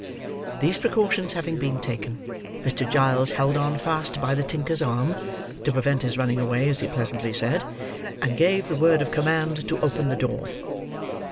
These precautions having been taken, Mr. Giles held on fast by the tinker's arm (to prevent his running away, as he pleasantly said), and gave the word of command to open the door.